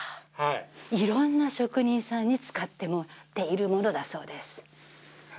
はい色んな職人さんに使ってもらっているものだそうです